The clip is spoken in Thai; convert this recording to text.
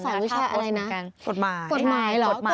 อาจารย์สอนวิชาอะไรนะ